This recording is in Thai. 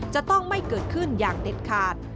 จะต้องไม่เกิดขึ้นอย่างเด็ดขาด